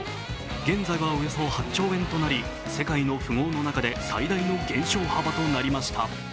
現在はおよそ８兆円となり世界の富豪の中で最大幅となりました。